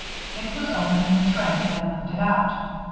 It was open and the tray had been lifted out.